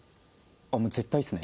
もう絶対っすね。